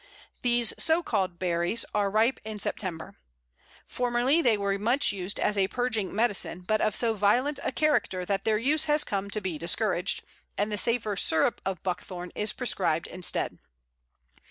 These so called "berries" are ripe in September. Formerly they were much used as a purging medicine, but of so violent a character that their use has come to be discouraged, and the safer syrup of Buckthorn is prescribed instead.